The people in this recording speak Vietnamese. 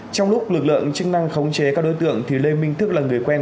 trong lúc lực lượng chức năng khống chế các đối tượng thì lê minh thức là người quen